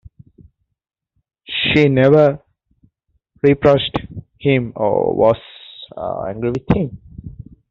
She never reproached him or was angry with him.